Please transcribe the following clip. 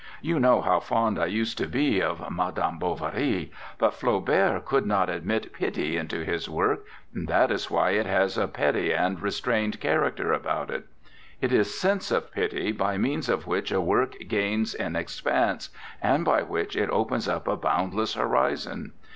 You know how fond I used to be of Madame Bovary, but Flaubert would not admit pity into his work, and that is why it has a petty and restrained character about it. It is sense of pity by means of which a work gains in expanse, and by which it opens up a boundless horizon.